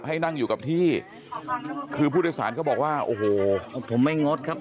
ให้นั่งอยู่กับที่คือผู้โดยสารเขาบอกว่าโอ้โหผมไม่งดครับ